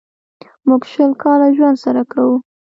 موږ شل کاله ژوند سره کوو.